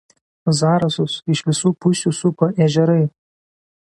Zarasus iš visų pusių supa ežerai.